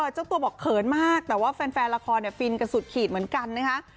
เจ้าตัวบอกเขินมากแต่ว่าแฟนละครฟินกันสุดขีดเหมือนกันนะคะ